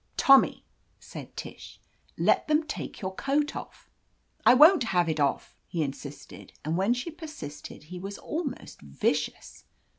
"Tommy !" said Tish. "Let them take your coat off." "I won't have it off," he insisted, and when she persisted he was almost vicious.